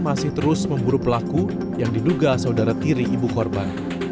masih terus memburu pelaku yang diduga saudara tiri ibu korban